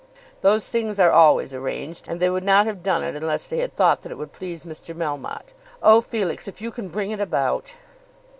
"Those things are always arranged, and they would not have done it unless they had thought that it would please Mr. Melmotte. Oh, Felix! if you can bring it about."